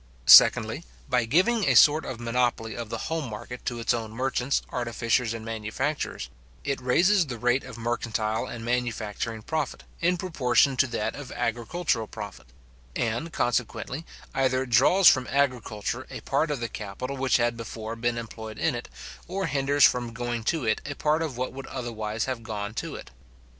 Secondly, by giving a sort of monopoly of the home market to its own merchants, artificers, and manufacturers, it raises the rate of mercantile and manufacturing profit, in proportion to that of agricultural profit; and, consequently, either draws from agriculture a part of the capital which had before been employed in it, or hinders from going to it a part of what would otherwise have gone to it.